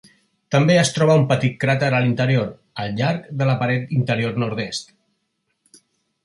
També es troba un petit cràter a l'interior, al llarg de la paret interior nord-est.